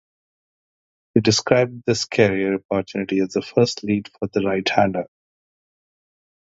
He described this career opportunity as the first lead for the right-hander.